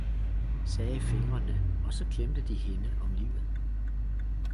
sagde fingrene og så klemte de hende om livet.